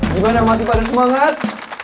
gimana masih pada semangat